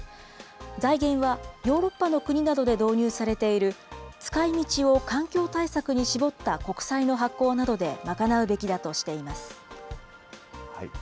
財源は、ヨーロッパの国などで導入されている使いみちを環境対策に絞った国債の発行などで賄うべきだとしています。